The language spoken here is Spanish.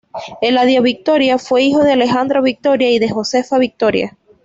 Eladio Victoria fue hijo de Alejandro Victoria y de Josefa Victoria.